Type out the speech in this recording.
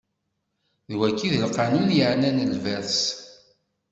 D wagi i d lqanun yeɛnan lberṣ.